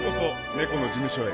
猫の事務所へ。